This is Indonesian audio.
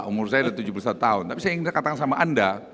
umur saya sudah tujuh puluh satu tahun tapi saya ingin katakan sama anda